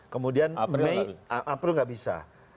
kemudian april gak bisa